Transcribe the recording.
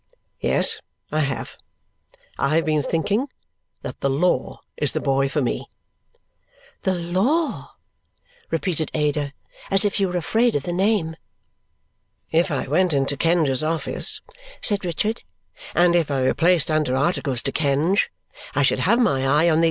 Yes, I have. I have been thinking that the law is the boy for me." "The law!" repeated Ada as if she were afraid of the name. "If I went into Kenge's office," said Richard, "and if I were placed under articles to Kenge, I should have my eye on the hum!